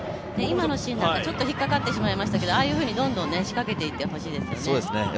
今のシーンなんか、ちょっとひっかかってしまいましたけど、ああいうふうに、どんどん仕掛けていってほしいですね。